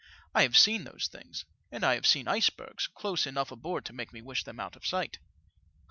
" I have seen those things, as I have seen icebergs, close enough aboard to make me wish them out of sight."